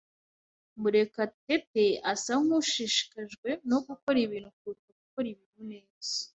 Murekatete asa nkushishikajwe no gukora ibintu kuruta gukora ibintu neza.